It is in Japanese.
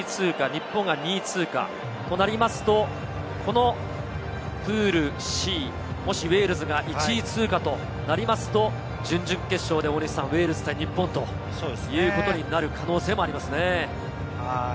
日本が２位通過となると、このプールＣ、もしウェールズが１位通過となると準々決勝でウェールズ対日本ということになる可能性もありますね。